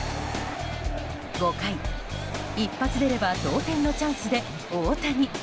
５回、一発出れば同点のチャンスで大谷。